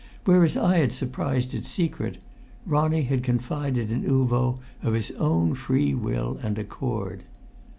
Whereas I had surprised its secret, Ronnie had confided in Uvo of his own free will and accord.